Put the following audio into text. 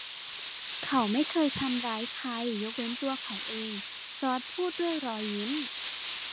“เขาไม่เคยทำร้ายใคร ยกเว้นตัวเขาเอง” จอร์จพูดด้วยรอยยิ้ม